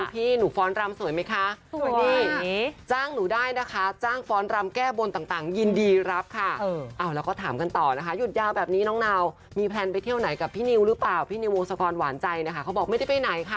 พี่หนูฟ้อนตรามสวยไหมคะ